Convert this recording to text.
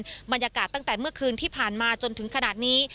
บรรยากาศตั้งแต่เมื่อคืนที่ผ่านมาจนถึงขนาดนี้